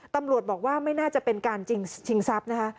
ตำรวจบอกว่าไม่น่าจะเป็นการชิงทรัพย์นะคะ